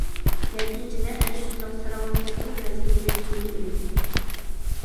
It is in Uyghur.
نەتىجىدە ئەنە شۇنداق ساراڭلىقتا بىر مەزگىلدىن كېيىن ئۆلىدۇ.